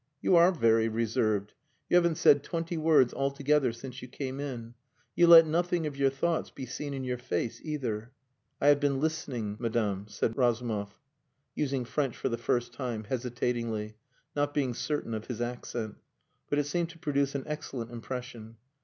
You are very reserved. You haven't said twenty words altogether since you came in. You let nothing of your thoughts be seen in your face either." "I have been listening, Madame," said Razumov, using French for the first time, hesitatingly, not being certain of his accent. But it seemed to produce an excellent impression.